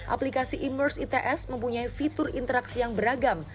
aplikasi immerce its mempunyai fitur interaksi yang beragam